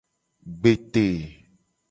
Gbete.